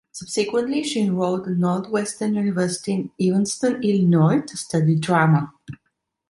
Subsequently, she enrolled at Northwestern University in Evanston, Illinois, to study drama.